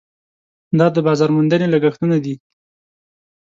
دا د بازار موندنې لګښټونه دي.